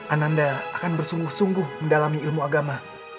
ananda akan bersungguh sungguh mendalami ilmu agama